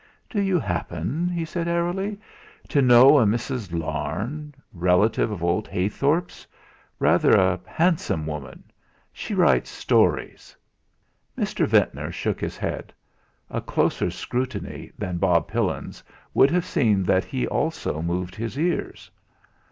"Do you happen," he said airily, "to know a Mrs. Larne relative of old Heythorp's rather a handsome woman she writes stories." Mr. Ventnor shook his head. A closer scrutiny than Bob Pillin's would have seen that he also moved his ears.